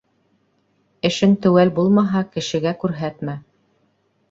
Эшең теүәл булмаһа, кешегә күрһәтмә.